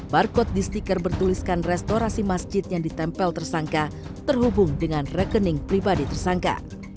barcode di stiker bertuliskan restorasi masjid yang ditempel tersangka terhubung dengan rekening pribadi tersangka